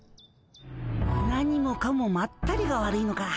何もかもまったりが悪いのか。